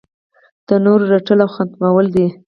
د نورو رټل او ختمول دي.